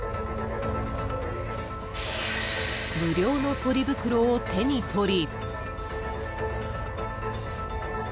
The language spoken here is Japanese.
［無料のポリ袋を手に取り］